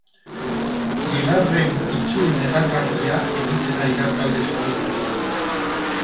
Bigarren itzuli negargarria egiten ari da talde zuri-gorria.